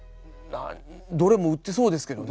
どれも売ってそうですけどね。